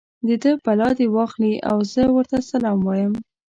د ده بلا دې واخلي او زه ورته سلام وایم.